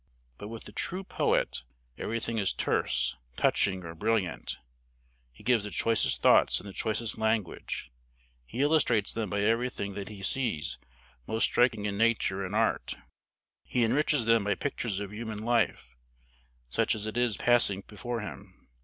But with the true poet every thing is terse, touching, or brilliant. He gives the choicest thoughts in the choicest language. He illustrates them by everything that he sees most striking in nature and art. He enriches them by pictures of human life, such as it is passing before him.